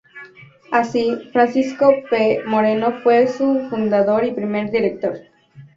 Así, Francisco P. Moreno fue su fundador y primer director.